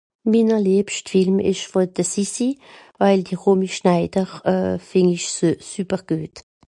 Miner lìebscht Film ìsch wohl de Sissi, waje d'Romy Schneider euh... fìnd ìch se-super guet.